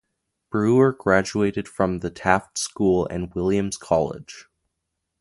Brewer graduated from the Taft School and Williams College.